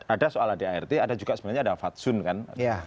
ada soal adart ada juga sebenarnya ada fatsun kan